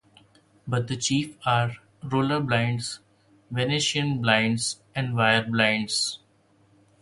But the chief are roller blinds, Venetian blinds, and wire blinds.